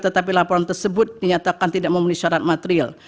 tetapi laporan tersebut dinyatakan tidak memenuhi syarat material